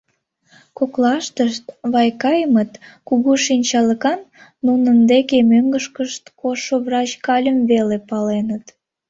Коклаштышт Вайкаимыт кугу шинчалыкан, нунын деке мӧҥгышкышт коштшо врач Гальым веле паленыт.